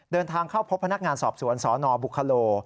เดินทางเข้าพบพนักงานสอบสวนสนบุคโล